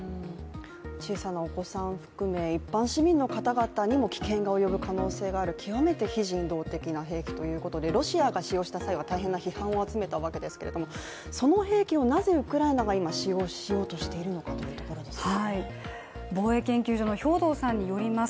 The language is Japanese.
小さなお子さん含め、一般市民の方々にも危険が及ぶ可能性がある極めて非人道的な兵器ということで、ロシアが使用した際は大変な批判を集めたわけですがその兵器をなぜウクライナは今使用しようとしているのかということですね。